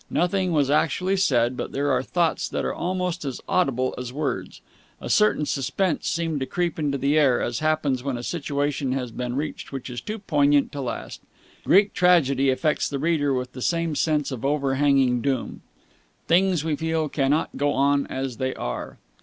Nothing was actually said, but there are thoughts that are almost as audible as words. A certain suspense seemed to creep into the air, as happens when a situation has been reached which is too poignant to last. Greek Tragedy affects the reader with the same sense of overhanging doom. Things, we feel, cannot go on as they are.